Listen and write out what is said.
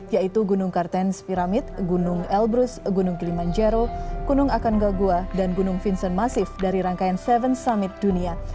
yaitu gunung kartens piramid gunung elbrus gunung kilimanjaro gunung akangagua dan gunung vincent massif dari rangkaian seven summit dunia